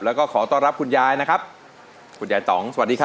แล้วก็ขอต้อนรับคุณยายนะครับคุณยายต่องสวัสดีครับ